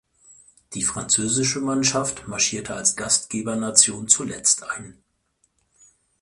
Die französische Mannschaft marschierte als Gastgebernation zuletzt ein.